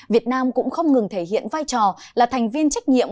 việt nam cũng không ngừng thể hiện vai trò là thành viên trách nhiệm